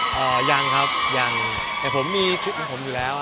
จริงมีคุยกันครับว่าถ้าเสร็จตรงนี้จะไปเที่ยวแหล่งกันหรือเปล่า